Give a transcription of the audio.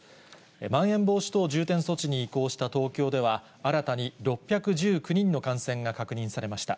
まん延防止等重点措置に移行した東京では、新たに６１９人の感染が確認されました。